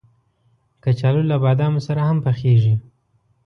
کچالو له بادامو سره هم پخېږي